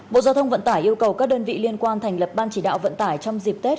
bộ giao thông vận tải yêu cầu các đơn vị liên quan thành lập ban chỉ đạo vận tải trong dịp tết